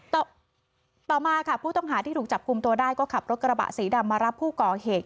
ต่อต่อมาค่ะผู้ต้องหาที่ถูกจับกลุ่มตัวได้ก็ขับรถกระบะสีดำมารับผู้ก่อเหตุ